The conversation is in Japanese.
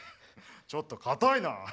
ちょっとかたいな。